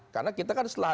karena kita kan selalu ya